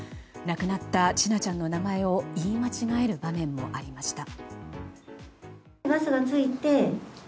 亡くなった千奈ちゃんの名前を言い間違える場面もありました。